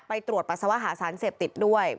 ตรวจปัสสาวะหาสารเสพติดด้วย